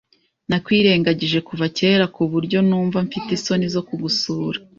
Nakwirengagije kuva kera kuburyo numva mfite isoni zo kugusura.